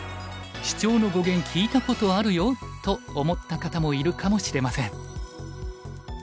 シチョウの語源聞いたことあるよ」と思った方もいるかもしれません。